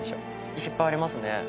石いっぱいありますね。